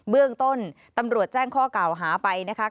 เบื้องต้นตำรวจแจ้งข้อกล่าวหาไปนะคะ